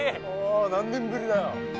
何年ぶりだよ？